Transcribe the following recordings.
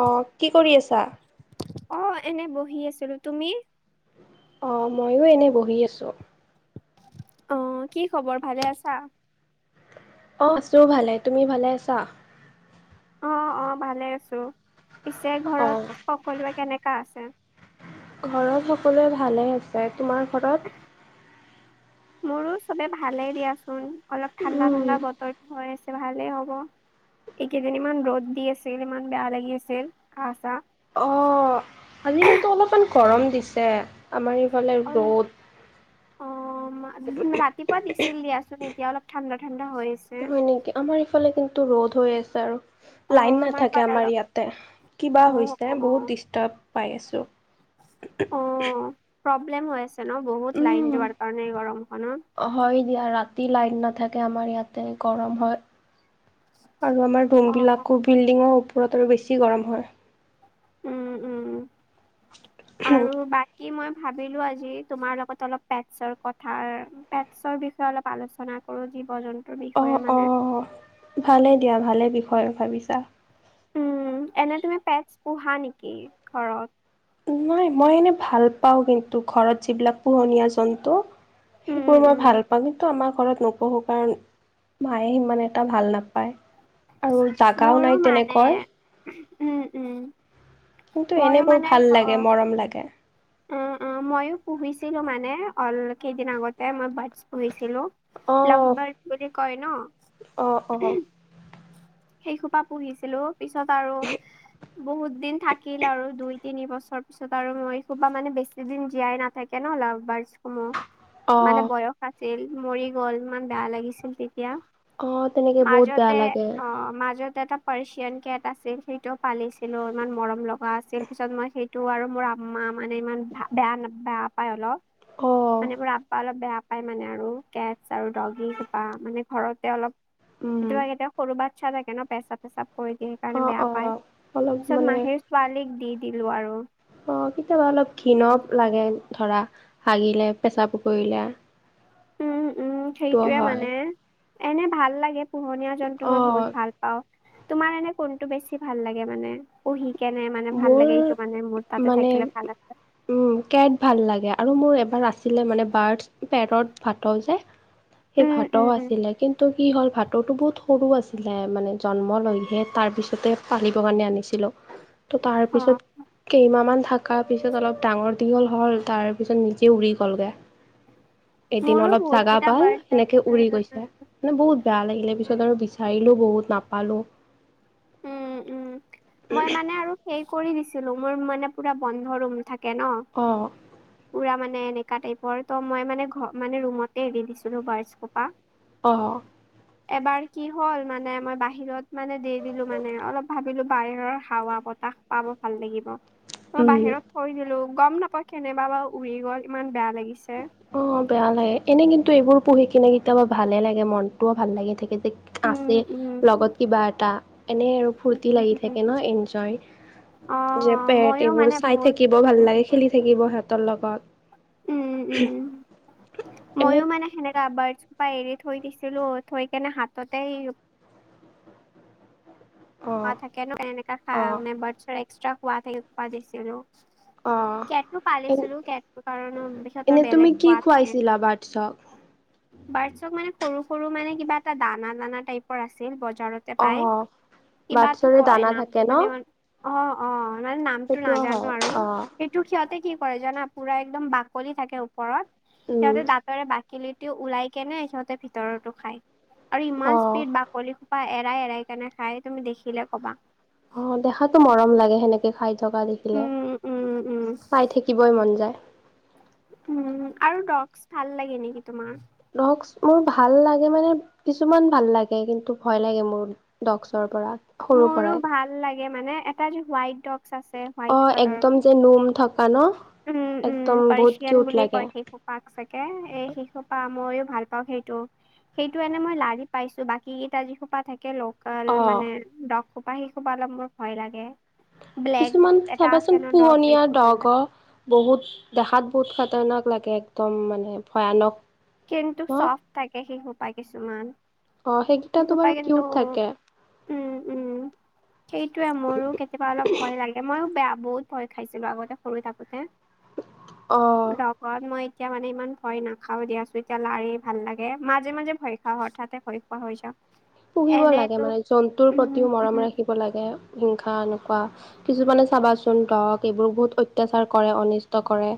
অ' কি কৰি আছা? অ' এনে বহি আছিলোঁ, তুমি? অ' মইয়ো এনেই বহি আছোঁ। অ' কি খবৰ ভালে আছা? অ' আছোঁ ভালে, তুমি ভালে আছা? অ' অ' ভালে আছোঁ। পিছে অ'। ঘৰত সকলোৱে কেনেকুৱা আছে? ঘৰত সকলোৱে ভালে আছে, তোমাৰ ঘৰত? মোৰো চবে ভালেই দিয়াচোন অলপ ঠাণ্ডা উম, ঠাণ্ডা বতৰ হৈ আছে ভালেই হ'ব। এইকেইদিন ইমান ৰ'দ দি আছিল। ইমান বেয়া লাগি আছিল গাহ চাৰ। অ' আজি কিন্তু অলপমান গৰম দিছে। আমাৰ ইফালে অল ৰ'দ অ' ৰাতিপুৱা দিছিল দিয়াচোন। এতিয়া অলপ ঠাণ্ডা ঠাণ্ডা হৈ আছে। হয় নেকি, আমাৰ ইফালে কিন্তু ৰ'দ হৈ আছে আৰু অ লাইন নাথাকে ফালে আমাৰ অলপ ইয়াতে কিবা অ হৈছে অ বহুত ডিষ্টাৰ্ব পাই আছোঁ। অ' প্ৰব্লেম হৈ আছে ন বহুত লাইন উম, যোৱাৰ কাৰণে গৰমখনত। হয় দিয়া, ৰাতি লাইট নাথাকে, আমাৰ ইয়াতে গৰম হয়। আৰু আমাৰ ৰুম অ বিলাকো বিল্ডিং ওপৰত আৰু বেছি গৰম হয়। উম, উম, আৰু বা কী মই ভাবিলোঁ। আজি তোমাৰ লগত অলপ পেটছৰ কথাৰ পেটছৰ বিষয়ে অলপ আলোচনা কৰোঁ। জীৱ-জন্তু অ' অহ' ভালেই দিয়া, ভালেই বিষয় ভাবিছা। উম, এনে তুমি পেটছ পোহা নেকি ঘৰত? মই মই এনেই ভাল পাওঁ, কিন্তু ঘৰত যিবিলাক পোহনীয়া জন্তু। উম সেইবোৰ মই উম ভাল পাওঁ, কিন্তু আমাৰ ঘৰত নোপোহো। কাৰণ মায়ে সিমান এটা ভাল নাপায় আৰু জাগাও মোৰো নাই মানে তেনেকৈ। উম, উম। কিন্তু, ময়ো এনেই মোৰ মানে ভাল অ লাগে মৰম লাগে। উম, উম, মইয়ো পুহিছিলোঁ মানে অল কেইদিন আগতে মই বাৰ্ডছ পুহিছিলোঁ? লাভ অ', বাৰ্ড বুলি কয় ন অ', অ'। সেইসোপা পুহিছিলোঁ। পিছত আৰু বহুত দিন থাকিল আৰু দুই তিনি বছৰ পিছত আৰু মই এই সোবা মানে বেছি দিন জীয়াই নাথা কে লাভ বাৰ্ড সমূহ। মানে অ', বয়স আছিল মৰি গ'ল ইমান বেয়া লাগিছিল তেতিয়া। অ', তেনেকে বহুত বেয়া মাজেতে লাগে। অ' মাজত এটা পাৰ্চিয়ান কেট আছিল। সেইটো পালিছিলোঁ। ইমান মৰম লগা গোৱা আছিল। পিছত মই সেইটো আৰু মোৰ আমাৰ মানে ইমান ভা বেয়া বেয়া পায় অলপ। অ', মানে মোৰ আপ্পা অলপ বেয়া পায় মানে আৰু কেটছ আৰু ডগি সোপা মানে ঘৰতে অলপ। উম, কেতিয়াবা কেতিয়াবা সৰু বাটচা থাকে ন পেচাব চেচাব কৰি দিয়ে। সেইকাৰণে অ', বেয়া পায়, অ', অলপ পিছত মানে মাহীৰ পোৱালিক দি দিলোঁ আৰু অ' কেতিয়াবা অলপ ঘিণৰ লাগে ধৰা হাগিলে পেচাব কৰিলে। উম, উম, টো সেইটোয়ে হয় মানে এনে ভাল লাগে পোহনীয়া জন্তু মই বহুত অ' ভাল পাওঁ। তোমাৰ এনে কোনটো বেছি ভাল লাগে মানে পোহি কেনে মানে ভাল মোৰ লাগে। এইটো মানে মোৰ তাতে মানে থাকিলে ভাল আছে। উম কেট ভাল লাগে আৰু মোৰ এবাৰ আছিলে মানে বাৰচ পেৰত ভাতও যে সেই উম ভাতও উম উম আছিলে কিন্তু। তো কি হ'ল ভাতৌটো বহুত সৰু আছিলে মানে জন্ম লৈহে তাৰপিছতে পানিবৰ কাৰণে আনিছিলোঁ। ত' অ তাৰপিছত কেইমাহ মাহ থকাৰ পিছত অলপ ডাঙৰ দীঘল হ'ল তাৰ পিছত নিজে উৰি গ'লগৈ। [inaudible] এদিন অলপ বহুত জাগা কেইটা ভাল বাৰ্ডছ আছে সেনেকে উম উৰি গৈছে। উম। মানে বহুত বেয়া লাগিলে পিছত আৰু বিচাৰিলো বহুত নাপালো। উম উম মই মানে আৰু সেই কৰি দিছিলো, মোৰ মানে পুৰা বন্ধ ৰুম থাকে ন' অ' [inaudible] পুৰা মানে এনেকা টাইপৰ ত মই মানে ঘ মানে ৰুমতে এৰি দিছিলো [inaudible] অ' এবাৰ কি হ'ল মানে মই বাহিৰত মানে দেৰি ভাবিলো মানে অলপ ভাবিলো বাহিৰৰ হাৱা বতাহ পাব ভাল লাগিব মই উম। বাহিৰত। থৈ দিলো গম নাপাও কেনেবা বা উৰি গ'ল ইমান বেয়া লাগিছে। অ' বেয়া লাগে এনে কিন্তু এইবোৰ পুহি কিনে কিতয়াবা ভালে লাগে মনতটোও ভাল লাগি থাকে যে। উম আছে উম লগত কিবা এটা এনেই আৰু ফূৰ্তি উম লাগি উম থাকে ন এনজয়। অ যে অ পেট মইয়ো এইবোৰ মানে চাই বহুত থাকিব ভাল লাগে খেলি থাকিব সিহঁতৰ লগত। উম উম এনে মইয়ো মানে সেনেকাে আবঢ়িছো। পা এৰি থৈ দিছিলো থৈ কেনে হাততে অ থাকে ন এনেকা চা অ এক্সট্ৰা খোৱা থাকে ক দিছিলো। অ কেটটো এ পালিছিলো কেট কাৰণ পিছতৰ বেলেগ কোৱা থাকে। চব পাৰছক মানে সৰু সৰু মানে কিবা এটা দানা দানা টাইপৰ আছিল বজাৰত। অ টেপাই কিবাটো বাটছৰে কয় দানা নামটো থাকে ন মানে। অ' অ' মানে নামটো সেইটোও নাজানো হয় আৰু অ সেই। টো সিহঁতে কি কৰে জানা পুৰা একদম বাকলি থাকে ওপৰত উম সিহঁতে দাঁতৰে বাকলিত। তেওঁ ওলাই কেনে সিহতে ভিতৰোটো খাই আৰু অ ইমান স্পীড বাক কলিসোপা এৰাই এৰাই কেনে খাই তুমি দেখিলে কবা। অ' দেখাতো মৰম লাগে সেনেকে খাই থকা দেখি। উম উম উম চাই থাকিবই মন যায়। উম আৰু ডক্সছ ভাল লাগে নেকি তোমাৰ? ডক্স মোৰ ভাল লাগে মানে, কিছুমান ভাল লাগে কিন্তু ভয় লাগে মোৰ। ডক্সৰ পৰা। সৰুৰ মোৰো পৰাই ভাল লাগে মানে এটা যে হোৱাইট ডক্স আছে। হোৱাইট অ' কালাৰৰ একদম যে নুম থকা ন একদম বহুত কিউট লাগে। শিশোপাক চাগে এই শিশোপা ময়ো ভাল পাওঁ সেইটো। সেইটো এনে মই লাৰি পাইছো, বাকী কেইটা যিসোপা থাকে লগ। কল অ মানে দক সোপা শিকোবা অলপ মোৰ ভয় লাগে। ব্লেক কিছুমান এটা আছে চাবাচোন ন ডগ পোহনীয়া সেইটো ভাল দগ লাগে। হওঁক। বহুত দেখাত বহুত খাতানাক লাগে একদম মানে ভয়ানক। কিন্তু ন চফ্ট থাকে সেইশোপা কিছুমান। অ' সেইকেইটাটো বাৰু কিউট থাকে। উমঁ-উমঁ, সেইটোৱে মোৰো কেতিয়াবা অলপ ভয় লাগে মইও বেয়া বহুত- ভয় খাইছিলো আগতে সৰু থাকোতে। অ ডক- ঘৰত মই এতিয়া মানে ইমান ভয় নাখাও দিয়া। যেতিয়া লাৰি ভাল লাগে মাজে-মাজে ভয় খাওঁ হঠাতে ভয় খোৱা হৈ যাওঁ। পুহিব লাগে এনেতো মানে জন্তুৰ উম প্ৰতিও উম মৰম ৰাখিব লাগে হিংসা এনেকুৱা। কিছুমানে চাবাচোন দগ এইবোৰ বহুত অত্যাচাৰ কৰে অনিষ্ট- কৰে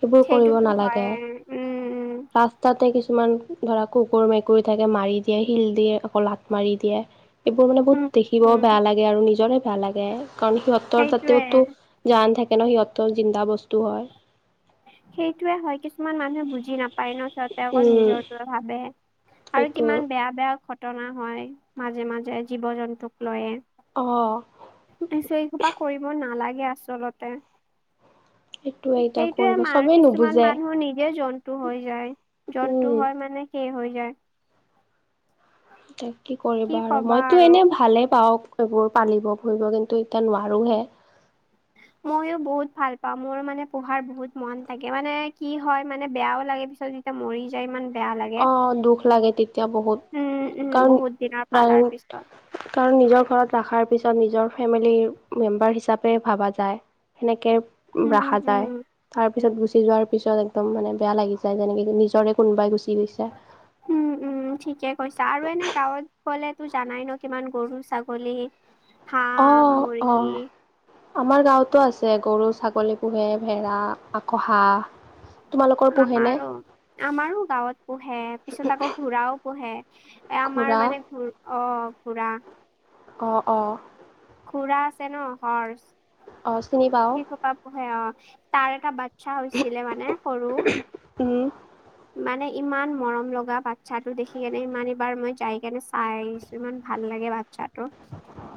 সেইবোৰ কৰিব সেইটোতো হয় নালাগে। উম তা'তে কিছুমান ধৰা কুকুৰ মেকুৰী থাকে মাৰি দিয়ে, শিল দিয়ে, আকৌ লাত মাৰি দিয়ে। এইবোৰ মানে উম বহুত দেখিবও উম বেয়া লাগে আৰু নিজৰে বেয়া লাগে, কাৰণ সিহঁতৰ সেইটোয়ে যাতেওঁ টো- জান থাকে ন' সিহঁতো জিন্দা বস্তু হয়। সেইটোয়ে হয় কিছুমান মানুহে বুজি নাপায় ন'। তা'তে অকল উম নিজৰটোৱে ভাবে আৰু সেইটো কিমান বেয়া-বেয়া ঘটনা হয়, মাজে-মাজে জীৱ-জন্তুক লৈয়ে। অ'। পিছে এই কোপা কৰিব নালাগে আচলতে। সেইটোৱে এতিয়া সেইটোয়ে কৰিব আমাৰ চবেই কিছুমান নুবুজে মানুহ নিজে জন্তু হৈ যায়, জন্তু উম হয় মানে- হৈ যায়। এ কি কৰিবা আৰু মইতো এনেই ভালে পাওঁ। সেইবোৰ পালিব ফুৰিব কিন্তু এতিয়া নোৱাৰোঁ'হে। [unintelligible] মইও বহুত ভাল পাওঁ, মোৰো মানে পঢ়াৰ বহুত মন থাকে মানে কি হয় মানে বেয়াও লাগে পিছত- এয়া মৰি যায় ইমান- বেয়া লাগে অঁ' দুখ লাগে তেতিয়া বহুত। উম উম কাৰণ বহুত দিনৰ প্ৰায় পালাৰ পিছত কাৰণ নিজৰ ঘৰত ৰখাৰ পিছত নিজৰ ফেমিলি মেম্বাৰ হিচাপে ভবা যায়। সেনেকে উম ৰাখা যায়। উম তাৰ- পিছত গুচি যোৱাৰ পিছত একদম মানে বেয়া লাগি যায় যেনেকে নিজৰে কোনোবাই গুচি গৈছে। উমঁ-উমঁ ঠিকে কৈছা। আৰু এনেই গাঁৱত গ'লে তো জানাই ন' কিমান গৰু, ছাগলী- হাঁহ, অ' অ' মুৰ্গী। আমাৰ গাঁৱতো আছে গৰু, ছাগলী পোহে ভেড়া আকৌ হাঁহ। তোমালোকৰ পোহেনে আমাৰো, আমাৰো গাঁৱত পোহে পিছত আকৌ ঘোৰাও পোহে। এ' আমাৰ ঘোঁৰা মানে ঘ অ' ঘোৰা- অঁহ', -অঁহ',। ঘোৰা আছে ন' হৰ্চ। অ' চিনি পাওঁ। সেই সোপা পোহে অঁ', তাৰ এটা বাচ্ছা হৈছিলে মানে সৰু। উম। মানে ইমান মৰম লগা বাচ্ছাটো দেখি কেনে ইমান এবাৰ মই যাই কেনে চাই আহিছো ইমান ভাল লাগে বা- চ্ছাটো।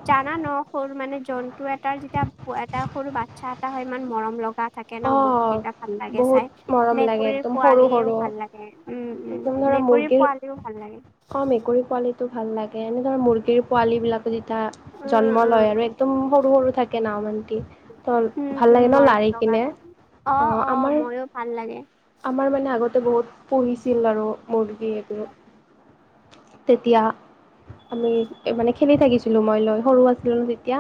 জানা ন' সৰু মানে জন্তু এটাৰ যেতিয়া এটা সৰু বাচ্ছা এটা হয় ইমান মৰম লগা- থাকে ন' মুখ অ', কেইটা ভাল লাগে বহুত চাই। মৰম লাগে মেকুৰীৰ একদম সৰু সৰু পোৱালীয়েও- ভাল লাগে, উমঁ-উমঁ, একদম ধৰা মেকুৰী মুৰ্গীৰ পোৱালিও ভাল লাগে। অ', মেকুৰী পোৱালী- টো ভাল লাগে। এনেকুৱা মুৰ্গীৰ পোৱালী বিলাকো যেতিয়া- উম জন্ম উম লয় আৰু একদম সৰু-সৰু থাকে ন' মানটি ত' ভাল লাগে ন' লাৰি- কিনে সেইকাৰণে। অঁ', অ', -অঁ', আমাৰ মইও ভাল লাগে। আমাৰ মানে আগতে বহুত পঢ়িছিল আৰু মৰ্গী এইবোৰ। তেতিয়া আমি মানে খেলি থাকিছিলো মই লৈ সৰু আছিলো ন তেতিয়া।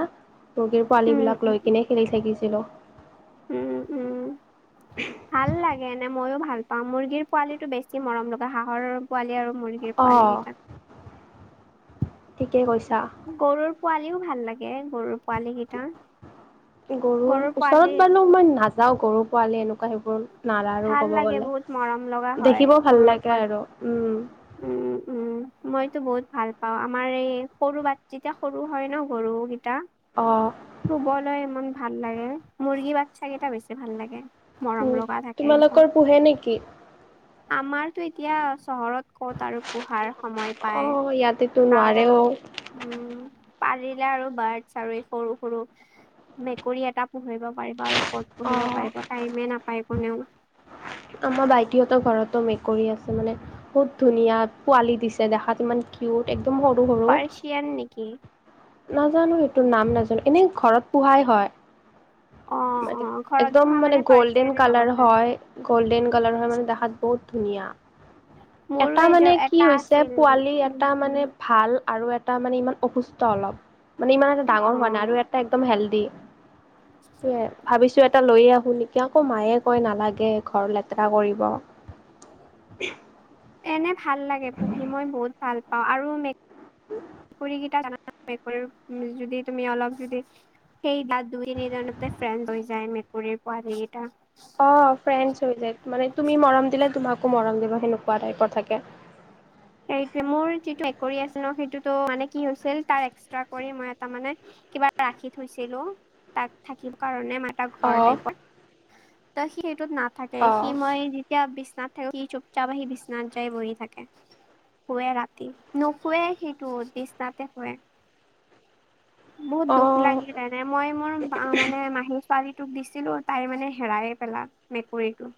মুগীৰ উম পোৱালীবিলাক উম লৈ কিনে খেলি থাকিছিলোঁ। উম, উম, ভাল লাগে। মযইও ভাল পাওঁ মুৰ্গীৰ পোৱালিটো বেছি মৰম লগা হাঁহৰ পোৱালি আৰু মুৰ্গীৰ পোৱালি অ', কেইটা ঠিকেই কৈছা। গৰুৰ পোৱালিও ভাল লাগে গৰুৰ। পোৱালি কেইটা গৰু গৰুৰ পোৱালি ওচৰত বাৰু মই নাযাওঁ গৰু পোৱালি এনেকুৱা। সেইবোৰ নালাৰু ভাল ক'ব লাগে গ'লে বহুত মৰম লগা হয় দেখিবও ভাল গৰুৰ লাগে পোৱালি আৰু উম। উম, উম, মইতো বহুত ভাল পাওঁ আমাৰ এই সৰু বাট যেতিয়া সৰু হয় ন। গৰুকেইটা। অ'। চুবলৈ ইমান ভাল লাগে মুৰ্গী বাচ্ছা কেইটা বেছি ভাল লাগে। মৰম লগা থাকে একদম। কি? আমাৰতো এতিয়া চহৰত ক'ত আৰু পোহাৰ সময় অ', ইয়াতেতো পায় গাঁৱত নোৱাৰেও উম, পাৰিলে আৰু বাৰডছ আৰু এই সৰু সৰু মেকুৰী এটা পুহিব পাৰিব আৰু ক'ত পুহিব অ'। পাৰিব টাইমে নাপায় কোনেও। আমাৰ ভাইটিহঁতৰ ঘৰতো মেকুৰী আছে মানে বহুত ধুনীয়া পোৱালি দিছে দেখাত ইমান কিউট একদম সৰু সৰু। চিয়ান নেকি? নাজানোঁ এইটো নাম নাজানোঁ এনেই ঘৰত পোহাই হয়। অ অ মানে ঘৰত একদম পোহা মানে গ'ল্ডেন পাৰ্চিয়ানে হ'ব কালাৰ চাগে। হয়। গ'ল্ডেন কালাৰ হয় মানে দেখাত বহুত ধুনীয়া। মোৰো এটা এজ মানে কি এটা হৈছে আছিল পোৱালি উম এটা উম মানে ভাল আৰু এটা মানে ইমান অসুস্থ অলপ মানে ইমান এটা অ ডাঙৰ হোৱা নাই আৰু এটা একদম হেল্ডি এ ভাবিছোঁ এটা লৈ আহোঁ নেকি আকৌ মায়ে কয় নালাগে ঘৰ লেতেৰা কৰিব। এনে ভাল লাগে পোহি মই বহুত ভাল পাওঁ আৰু মেকুৰিকিটা যদি তুমি অলপ যদি সেই তাত দুই তিনিদিনতে ফ্ৰেণ্ড হৈ যায়। মেকুৰীৰ পোৱা সেইকেইটা। অ', ফ্ৰেন্স হৈ যায় মানে তুমি মৰম দিলে তোমাকো মৰম দিব সেনেকুৱা টাইপৰ থাকে। সেইটোৱে মোৰ যিটো একৰি আছিল ন সেইটো মানে কি হৈছিল তাৰ এক্সট্ৰা কৰি মই এটা মানে কিবা ৰাখি থৈছিলোঁ তাত থাকিব কাৰণে মা অ ঘৰ টাইপৰ ত' সি সেইটোত নাথাকে অ সি মই এতিয়া বিচনাত থাকে সি চোপচাপ আহি বিশ্বনাত যাই বহি থাকে। শোৱে ৰাতি নুশোৱে সেইটো বিছনাতে শোৱে। বহুত অ দুখ লাগিল যেনে মই মোৰ মা মানে মাহী ছোৱালীটোক দিছিলোঁ তাই মানে হেৰাইয়ে পেলা মেকুৰীটো।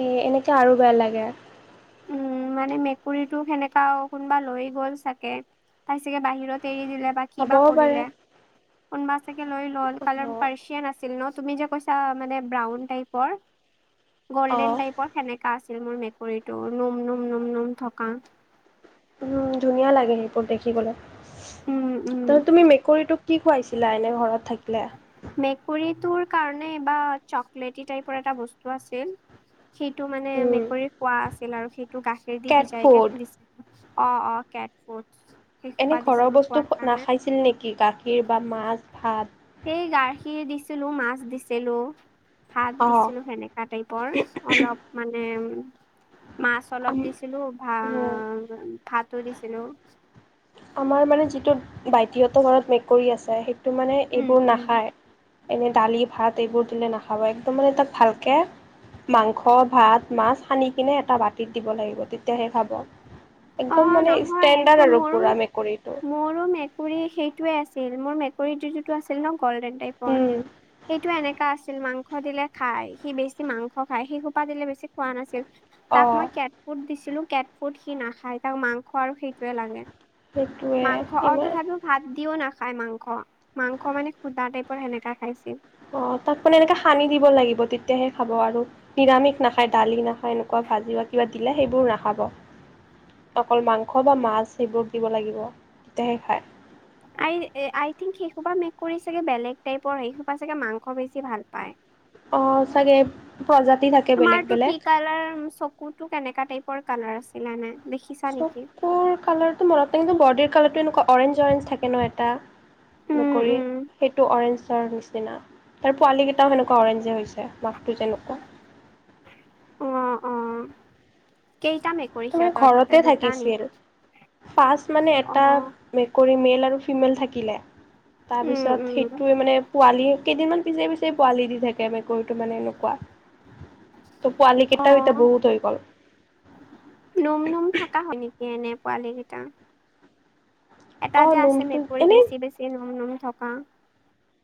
এ এনেকুৱা আৰু বেয়া লাগে। উম, মানে মেকুৰীটো সেনেকা কোনোবা লৈ গ'ল চাগে। তাই চাগে বাহিৰত এৰি দিলে বা কিবা হ'বও পাৰে। কৰিলে কোনোবা চাগে লৈ গ'ল। অ কাৰণ পাৰ্চিয়ান আছি আছিল ন তুমি যে কৈছা মানে ব্ৰাউন টাইপৰ অ গল্ডেন টাইপৰ। সেনেকা আছিল মোৰ মেকুৰীটো নোম নোম নোম নোম থকা উম ধুনীয়া লাগে সেইবোৰ দেখিবলৈ উম, উম, তাৰপিছত তুমি মেকুৰীটোক কি খুৱাইছিলা এনেই ঘৰত থাকিলে? মেকুৰীটোৰ কাৰণে বা চকলেটি টাইপৰ এটা বস্তু আছিল। সেইটো মানে উম মেকুৰী খোৱা আছিল আৰু সেইটো গাখীৰ দি কেট ভিজাই কে ফুড দি অ অ কেট ফুডচ এনে ঘৰৰ বস্তু নাখাইছিল নেকি গাখীৰ বা মাছ ভাত? সেই গাখীৰ দিছিলোঁ মাছ দিছিলোঁ। ভাত অ দিছিলোঁ সেনেকা টাইপৰ অলপ মানে মাছ আম অলপ দিছিলোঁ ভা উম, ভাতো দিছিলোঁ আমাৰ মানে যিটো বাইটিহঁতৰ ঘৰত মেকুৰী আছে সেইটো মানে উম, এইবোৰ উম, নাখায় এনেই দালি ভাত এইবোৰ দিলে নাখাব একদম মানে তাক ভালকে মাংস ভাত মাছ সানি কিনে এটা বাতিত দিব লাগিব তেতিয়াহে খাব একদম মানে ষ্টেণ্ডাৰ্ড আৰু আৰু পুৰা মেকুৰীটো মোৰো মেকুৰী সেইটোৱে আছিল মোৰ মেকুৰীটো সেইটো আছিল গ'ল্ডেন টাইপৰ উম সেইটো এনেকা আছিল মাং স দিলে খাই সি বেছি মাংস খায় সি সোপা দিলে বেছি খোৱা নাছিল অ তাক মই ফুড দিছিলোঁ কেট ফুড সি নাখায় তাক মাংস আৰু সেইটোৱে লাগে সেইটোৱে মাংস অ ইমান তথাপিও ভাত দিওঁ নাখায় মাংস মাংস মানে সুদা টাইপৰ সেনেকা খাইছিল অ তাক মানে এনেকা সানি দিব লাগিব তেতিয়াহে খাব আৰু। নিৰামিষ নাখায় দালি নাখায় এনেকুৱা ভাজি বা কিবা দিলে সেইবোৰ নাখাব। অকল মাংস বা মাছ সেইবোৰ দিব লাগিব তেতিয়াহে খায়। আই আই থিংক সেইহোপা মেকুৰী চাগে বেলেগ টাইপৰ সেইহোপা চাগে মাংস বেছি ভাল পায়। অ চাগে প্ৰজাতি থা তোমাৰতো কি কালাৰ চকুটো কেনেকা টাইপৰ কালাৰ আছিলে এনে দেখিছা নেকি? চকুৰ কালাৰটো মনত নাই কিন্তু বডীৰ কালাৰটো এনেকুৱা অৰেঞ্জ অৰেঞ্জ থাকে ন এটা উম মেকুৰী উম সেইটো অৰেঞ্জৰ নিচিনা। তাৰ পোৱালি কেইটাও সেনেকুৱা অৰেঞ্জে হৈছে, মাকটো যেনেকুৱা। অঁ অঁ কেইটা মে তোমাৰ ঘৰতে থাকিছিল পাঁচ মানে অ এটা মেকুৰী মেল আৰু ফিমেল থাকিলে উম তাৰপিছত উম সেইটোৱে মানে পোৱালি কেইদিনমান পিছে, পিছে পোৱালি দি থাকে মেকুৰীটো মানে এনেকুৱা। তো পোৱালি অ কেইটা এতিয়া বহুত হৈ গ'ল। নোম নোম থকা হয় নেকি এনে পোৱালি কেইটা এটা অ যে আছে নোমটো মেকুৰী এনেই বেছি বেছি নোম নোম থকা।